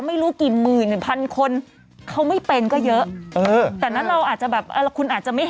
ไม่หรอกที่พูดคืออึดอัดไง